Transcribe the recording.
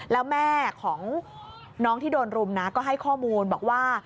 แล้วแม่ของน้องที่โดนรุมนะก็ให้ข้อมูลบอกว่า